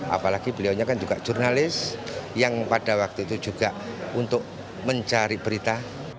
apalagi beliaunya kan juga jurnalis yang pada waktu itu juga untuk mencari berita